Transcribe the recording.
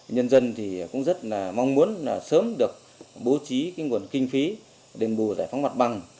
nhân dân thì cũng rất là mong muốn sớm được bố trí nguồn kinh phí đền bù giải phóng mặt bằng